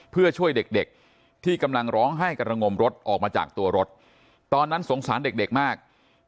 เพื่อช่วยเด็กที่กำลังร้องให้กระงมรถออกมาจากตัวรถตอนนั้นสงสารเด็กมาก